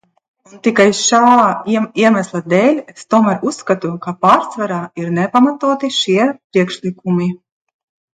Un tikai šā iemesla dēļ es tomēr uzskatu, ka pārsvarā ir nepamatoti šie priekšlikumi.